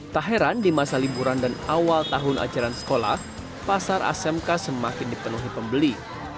tak heran di masa liburan dan awal tahun ajaran sekolah pasar asmk semakin dipenuhi pembeli